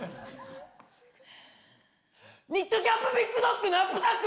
ニットキャップビッグドッグナップサック